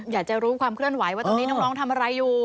อยากจะรู้ความเคลื่อนไหวว่าตรงนี้น้องทำอะไรอยู่